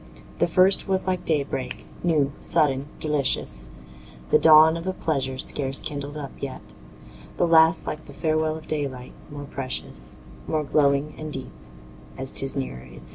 The first was like day break, new, sudden, delicious, The dawn of a pleasure scarce kindled up yet; The last like the farewell of daylight, more precious, More glowing and deep, as 'tis nearer its set.